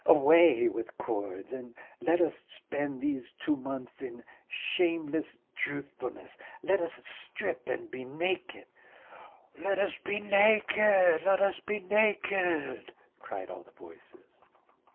Away with cords and let us spend these two months in shameless truthfulness! Let us strip and be naked!" "Let us be naked, let us be naked!" cried all the voices.